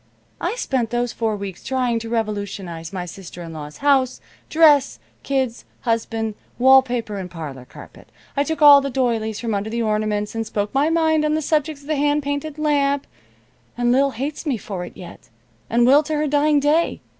I spent those four weeks trying to revolutionize my sister in law's house, dress, kids, husband, wall paper and parlor carpet. I took all the doilies from under the ornaments and spoke my mind on the subject of the hand painted lamp, and Lil hates me for it yet, and will to her dying day.